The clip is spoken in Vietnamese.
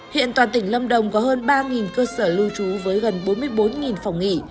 hiện toàn tỉnh lâm đồng có hơn ba cơ sở lưu trú với gần bốn mươi bốn phòng nghỉ